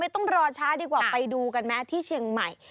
ต้องรอช้าดีกว่าไปดูกันไหมที่เชียงใหม่